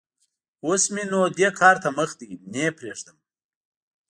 اوس م ېنو دې کار ته مخ دی؛ نه يې پرېږدم.